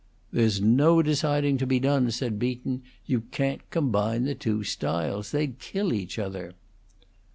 "There's no deciding to be done," said Beaton. "You can't combine the two styles. They'd kill each other."